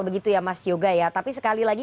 begitu ya mas yoga ya tapi sekali lagi